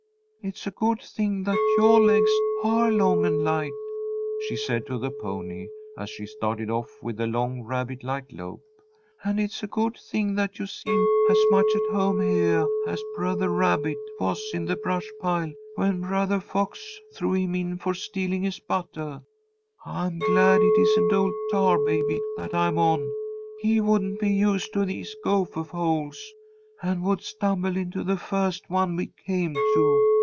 "It's a good thing that yoah legs are long and light," she said to the pony, as he started off with a long, rabbit like lope. "And it's a good thing that you seem as much at home heah as Br'er Rabbit was in the brush pile when Br'er Fox threw him in for stealing his buttah. I'm glad it isn't old Tar Baby that I'm on. He wouldn't be used to these gophah holes, and would stumble into the first one we came to.